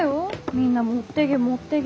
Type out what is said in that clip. みんな持ってげ持ってげって。